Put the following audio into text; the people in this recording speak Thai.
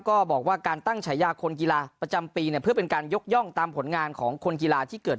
ก็บอกว่าการตั้งฉายาคนกีฬาประจำปีเนี่ย